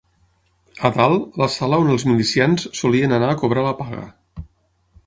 A dalt, la sala on els milicians solien anar a cobrar la paga